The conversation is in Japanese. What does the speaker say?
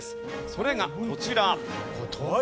それがこちら。